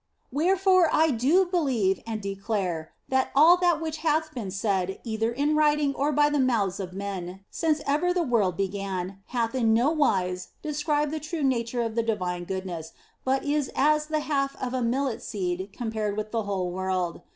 Wherefore do I believe and declare that all that which hath been said either in writing or by the mouths of men since ever the world began hath in no wise described the true nature of the divine goodness, but is as the half of a millet seed compared with the whole world.